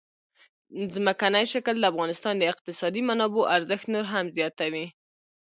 ځمکنی شکل د افغانستان د اقتصادي منابعو ارزښت نور هم زیاتوي.